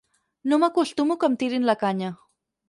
No m'acostumo que em tirin la canya.